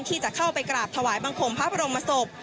ที่จะเข้าไปกราบถวายบังคมพระบรมศพ